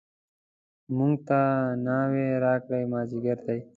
موږ ته ناوې راکړئ مازدیګر دی.